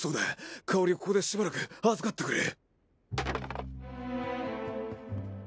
香織をここでしばらく預かってくれ。